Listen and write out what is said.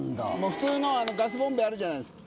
普通のガスボンベあるじゃないですか。